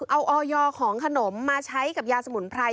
เอาออยของขนมมาใช้กับยาสมุนไพร